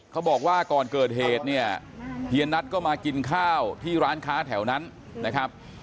เขาบอกว่าก่อนเกิดเหตุเนี่ยเฮียนัทก็มากินข้าวที่ร้านค้าแถวนั้นนะครับ